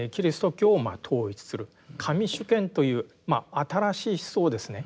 神主権という新しい思想をですね